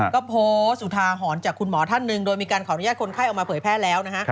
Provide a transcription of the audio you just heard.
ก็โพสต์อุทาหรณ์จากคุณหมอท่านหนึ่งโดยมีการขออนุญาตคนไข้ออกมาเผยแพร่แล้วนะฮะ